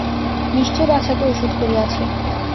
নিশ্চয় বাছাকে ওষুধ করিয়াছে।